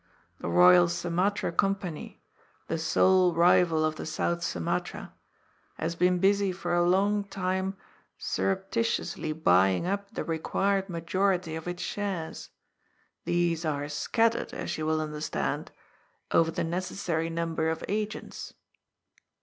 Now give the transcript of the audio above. The Eoyal Sumatra Company, the sole rival of the South Sumatra, has been busy for a long time surreptitiously buying up the re quired majority of its shares. These are scattered, as you will understand, over the necessary number of agents.